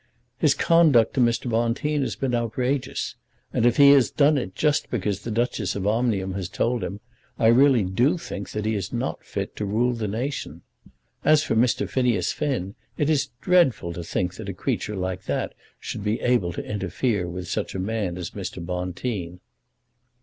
"His conduct to Mr. Bonteen has been outrageous; and if he has done it just because that Duchess of Omnium has told him, I really do think that he is not fit to rule the nation. As for Mr. Phineas Finn, it is dreadful to think that a creature like that should be able to interfere with such a man as Mr. Bonteen."